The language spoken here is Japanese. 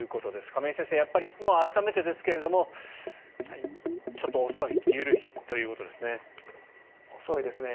亀井先生、改めてですがちょっと遅い緩いということですね。